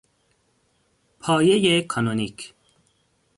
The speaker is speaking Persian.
پایهی کانونیک